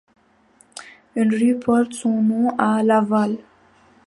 Une rue porte son nom à Laval.